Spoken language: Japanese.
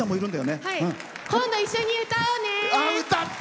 今度、一緒に歌おうね！